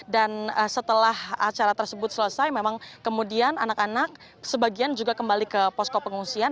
dan setelah acara tersebut selesai memang kemudian anak anak sebagian juga kembali ke posko pengungsian